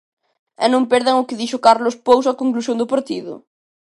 E non perdan o que dixo Carlos Pouso á conclusión do partido.